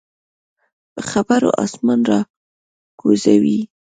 په خبرو اسمان راکوزوي.